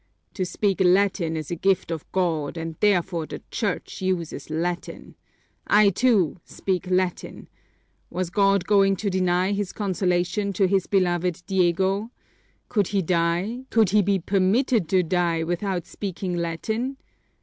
To speak Latin is a gift of God and therefore the Church uses Latin! I, too, speak Latin! Was God going to deny this consolation to His beloved Diego? Could he die, could he be permitted to die, without speaking Latin?